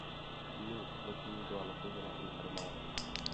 K jejímu potlačení byla nasazena i armáda.